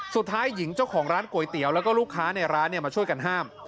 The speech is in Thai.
สุดท้ายหญิงเจ้าของร้านก๋วยเตี๋ยวแล้วก็ลูกค้าในร้านมาช่วยกันห้าม